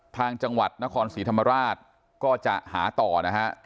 ทางจังหวัดนครศรีธรรมราชก็จะหาต่อนะฮะ